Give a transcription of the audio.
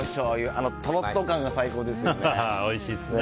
あのとろっと感が最高ですよね。